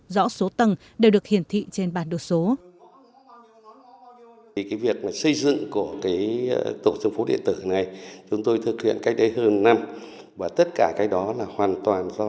rõ số tầng đều được hiển thị trên bản đồ số